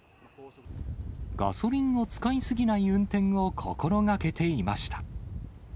ガソリンを使い過ぎない運転を心がけていました。